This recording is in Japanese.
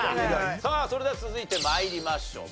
さあそれでは続いて参りましょう。